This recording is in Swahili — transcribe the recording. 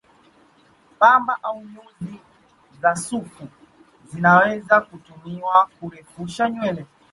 Pamba au nyuzi za sufu zinaweza kutumiwa kurefusha nywele